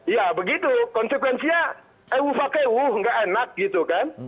ya begitu konsekuensinya ewu fakewu nggak enak gitu kan